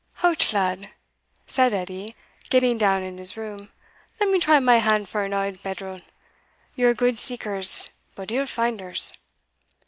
"Hout, lad," said Edie, getting down in his room "let me try my hand for an auld bedral; ye're gude seekers, but ill finders."